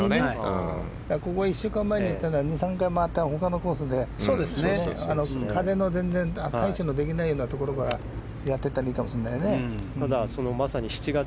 ここ１週間前行ったら２、３回、回った他のコースで、風の全然対処できないようなところでやっていったらいいかもしれないね。